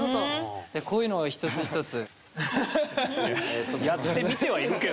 でこういうのを一つ一つ。